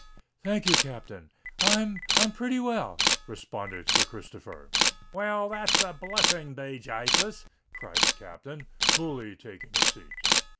"Thank you, Captain—I—I'm pretty well," responded Sir Christopher. "Well, that's a blessing, be Jasus!" cried the Captain, coolly taking a seat.